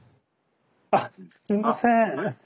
すみません。